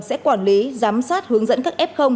sẽ quản lý giám sát hướng dẫn các f